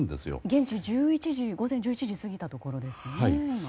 現地、午前１１時を過ぎたところですね。